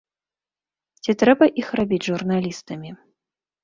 Ці трэба іх рабіць журналістамі?